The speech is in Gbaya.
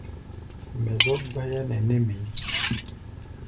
Mɛ zɔ́k gbáyá nɛ nɛ́ mɛ̧ʼí̧.